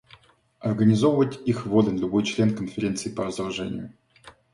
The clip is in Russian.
Организовывать их волен любой член Конференции по разоружению.